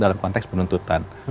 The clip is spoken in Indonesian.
dalam konteks penuntutan